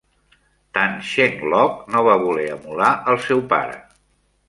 Tan Cheng Lock no va voler emular el seu pare.